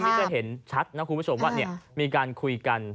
นี่จะเห็นชัดนะคุณผู้ชมว่ามีการคุยกัน